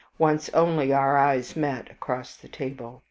Once only our eyes met across the table.